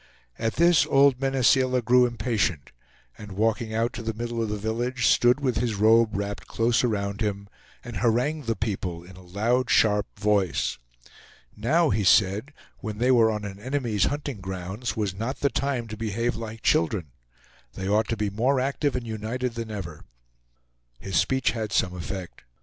At this old Mene Seela grew impatient, and walking out to the middle of the village stood with his robe wrapped close around him, and harangued the people in a loud, sharp voice. Now, he said, when they were on an enemy's hunting grounds, was not the time to behave like children; they ought to be more active and united than ever. His speech had some effect.